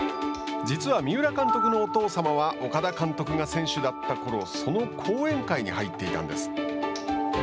実は三浦監督のお父様は岡田監督が選手だったころその後援会に入っていたんです。